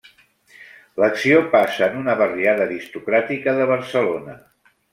L'acció passa en una barriada aristocràtica de Barcelona.